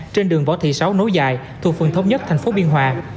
trên đường võ thị sáu nối dài thuộc phường thống nhất tp biên hòa